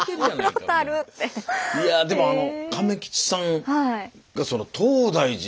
いやでもあの亀吉さんがその東大寺の。